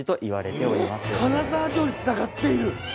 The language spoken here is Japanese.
金沢城につながっている。